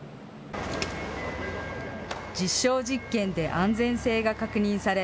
実証実験で安全性が確認され、